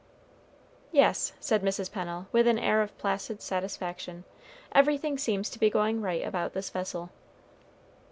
"Yes," said Mrs. Pennel, with an air of placid satisfaction, "everything seems to be going right about this vessel."